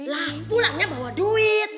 lah pulangnya bawa duit